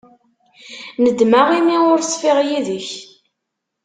Nedmeɣ imi ur ṣfiɣ yid-k.